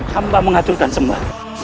hamba mengaturkan semua